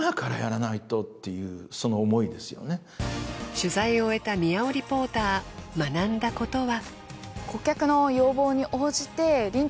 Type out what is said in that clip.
取材を終えた宮尾リポーター学んだことは？